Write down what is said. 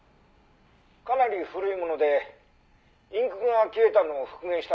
「かなり古いものでインクが消えたのを復元したところ」